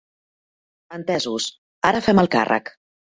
Entesos, ara fem el càrrec.